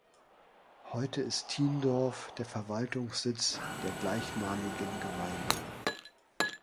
Heute ist Thiendorf der Verwaltungssitz der gleichnamigen Gemeinde.